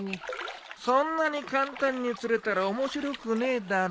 そんなに簡単に釣れたら面白くねえだろ？